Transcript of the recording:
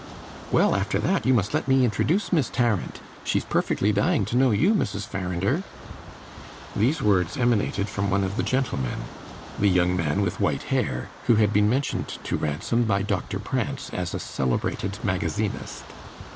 "Well, after that, you must let me introduce Miss Tarrant; she's perfectly dying to know you, Mrs. Farrinder." These words emanated from one of the gentlemen, the young man with white hair, who had been mentioned to Ransom by Doctor Prance as a celebrated magazinist.